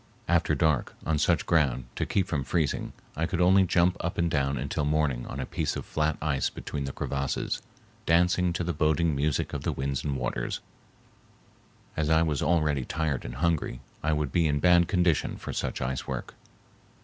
After dark, on such ground, to keep from freezing, I could only jump up and down until morning on a piece of flat ice between the crevasses, dance to the boding music of the winds and waters, and as I was already tired and hungry I would be in bad condition for such ice work.